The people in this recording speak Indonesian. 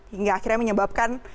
hingga akhirnya menyebabkan